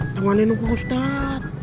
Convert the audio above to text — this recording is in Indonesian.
temanin pak ustad